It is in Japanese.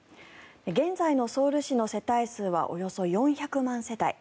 現在のソウル市の世帯数はおよそ４００万世帯